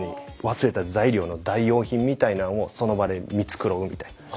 忘れた材料の代用品みたいなんをその場で見繕うみたいな。